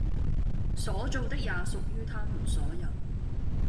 所造的也屬於它們所有